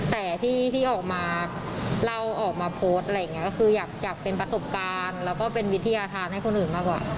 แต่ที่ออกมาเล่าออกมาโพสต์อะไรอย่างนี้ก็คืออยากเป็นประสบการณ์แล้วก็เป็นวิทยาธารให้คนอื่นมากกว่า